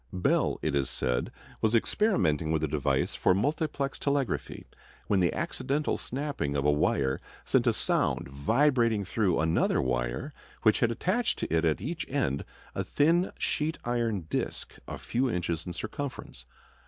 Bell, it is said, was experimenting with a device for multiplex telegraphy, when the accidental snapping of a wire sent a sound vibrating through another wire which had attached to it at each end a thin sheet iron disk a few inches in circumference.